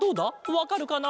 わかるかな？